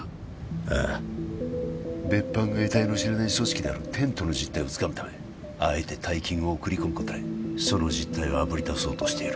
ああ別班が得体の知れない組織であるテントの実態をつかむためあえて大金を送り込むことでその実態をあぶりだそうとしている